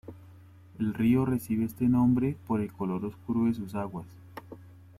El río recibe este nombre por el color oscuro de sus aguas.